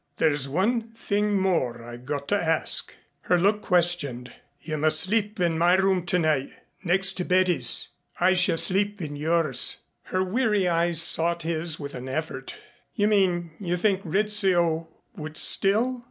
"There's one thing more I've got to ask." Her look questioned. "You must sleep in my room tonight, next to Betty's. I shall sleep in yours." Her weary eyes sought his with an effort. "You mean you think Rizzio would still